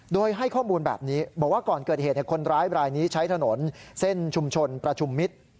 โดยให้ข้อมูลแบบนี้บอกว่าก่อนเกิดเหตุคนร้ายบรายนี้ใช้ถนนเส้นชุมชนประชุมมิตร